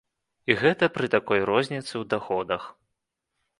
І гэта пры такой розніцы ў даходах!